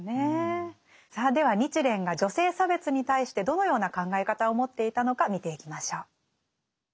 さあでは日蓮が女性差別に対してどのような考え方を持っていたのか見ていきましょう。